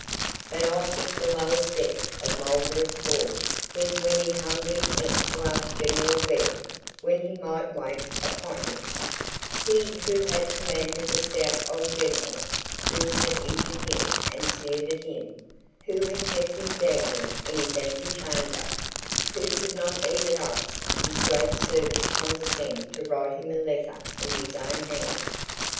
But I think the lowest depth of Marlborough's fall was when he humbly sent to ask General Webb when he might wait upon him; he who had commanded the stout old General, who had injured him and sneered at him, who had kept him dangling in his ante chamber, who could not even after his great service condescend to write him a letter in his own hand.